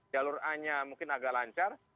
jalur a nya mungkin agak lancar